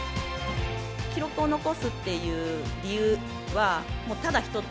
記録を残すっていう理由はただ一つ。